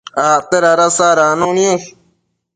acte dada sadacno niosh